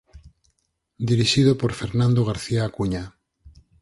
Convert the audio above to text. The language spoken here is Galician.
Dirixido por Fernando García Acuña.